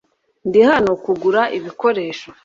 Ndi hano kugura ibikoresho .